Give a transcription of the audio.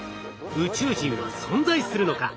宇宙人は存在するのか？